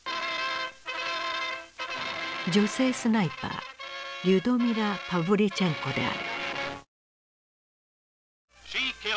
女性スナイパーリュドミラ・パヴリチェンコである。